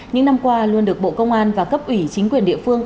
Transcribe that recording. những năm qua luôn được bộ công an và cấp ủy chính quyền địa phương